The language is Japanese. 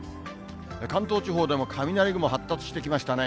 関東地方でも雷雲発達してきましたね。